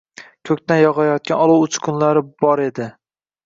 Ko‘kdan yog‘ayotgan olov uchqunlari bore di.